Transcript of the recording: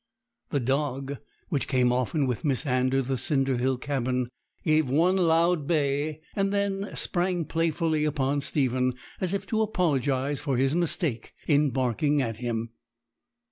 The dog, which came often with Miss Anne to the cinder hill cabin, gave one loud bay, and then sprang playfully upon Stephen, as if to apologize for his mistake in barking at him.